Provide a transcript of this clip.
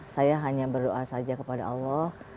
saya hanya berdoa saja kepada allah